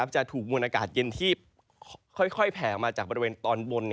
จะถูกมวลอากาศเย็นที่ค่อยแผ่มาจากบริเวณตอนบน